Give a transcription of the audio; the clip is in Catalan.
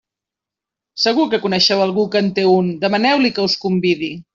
Segur que coneixeu algú que en té un; demaneu-li que us hi convidi!